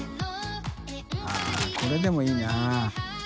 これでもいいな。